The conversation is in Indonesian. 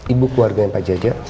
ibu keluarga yang pak jaja